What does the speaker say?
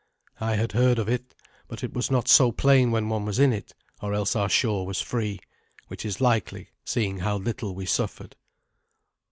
I had heard of it; but it was not so plain when one was in it, or else our shore was free, which is likely, seeing how little we suffered.